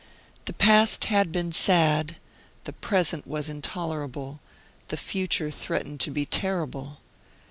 The past had been sad, the present was intolerable, the future threatened to be terrible.